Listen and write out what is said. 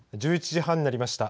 １１時半になりました。